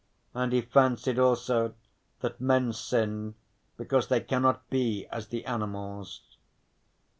And he fancied also that men sin because they cannot be as the animals.